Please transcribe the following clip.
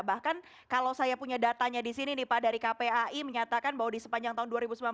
bahkan kalau saya punya datanya di sini nih pak dari kpai menyatakan bahwa di sepanjang tahun dua ribu sembilan belas